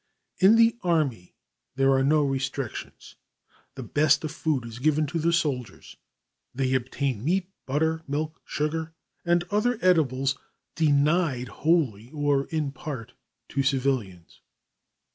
In the army, there are no restrictions the best of food is given to the soldiers. They obtain meat, butter, milk, sugar and other edibles denied wholly or in part to civilians.